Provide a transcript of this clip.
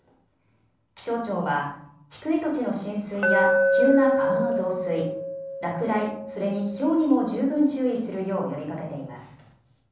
気象庁は低い土地の浸水や急な川の増水、落雷、それにひょうにも十分注意するよう呼びかけています。